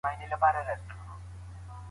د کلتوري توپیرونو درک د همغږۍ لامل کیږي.